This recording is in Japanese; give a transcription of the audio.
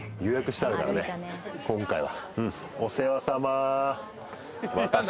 今回は。